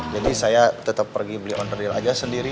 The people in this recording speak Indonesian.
jadi saya tetap pergi beli owner deal aja sendiri